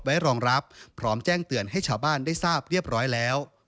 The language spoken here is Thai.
รองรับพร้อมแจ้งเตือนให้ชาวบ้านได้ทราบเรียบร้อยแล้ว